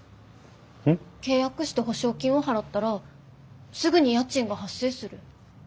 ん？契約して保証金を払ったらすぐに家賃が発生する。